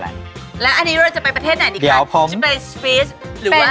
แล้วอันนี้เราจะไปประเทศไหนดีกัน